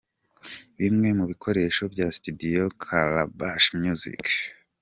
Bimwe mu bikoresho bya Studio Calabash music.